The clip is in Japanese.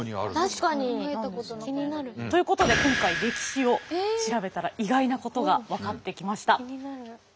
考えたことなかった。ということで今回歴史を調べたら意外なことが分かってきました。